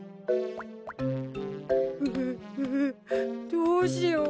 どうしよう。